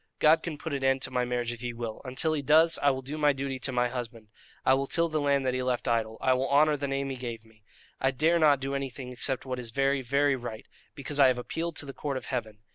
God can put an end to my marriage if He will; until He does, I will do my duty to my husband: I will till the land that he left idle; I will honour the name he gave me. I dare not do anything except what is very, very right, because I have appealed to the Court of Heaven.